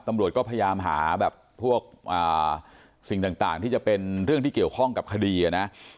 ตำรวจก็พยายามหาแบบพวกสิ่งต่างที่จะเป็นเรื่องที่เกี่ยวข้องกับคดีนะ